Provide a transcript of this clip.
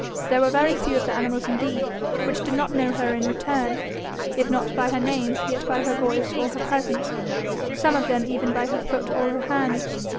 There were very few of the animals indeed which did not know her in return, if not by her name, yet by her voice or her presence some of them even by her foot or her hand.